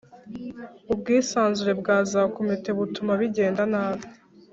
Ubwisanzure bwa za Komite butuma bigenda nabi.